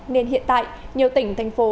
nên hiện tại nhiều tỉnh thành phố